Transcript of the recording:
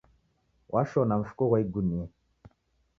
Washona mfuko ghwa igunia